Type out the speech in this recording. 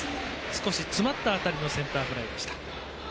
少し詰まった当たりのセンターフライでした。